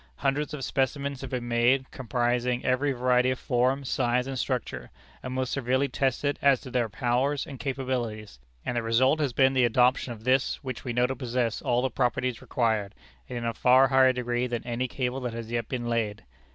Hundreds of specimens have been made, comprising every variety of form, size, and structure, and most severely tested as to their powers and capabilities; and the result has been the adoption of this, which we know to possess all the properties required, and in a far higher degree than any cable that has yet been laid.